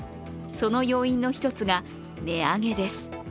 その要因の一つが値上げです。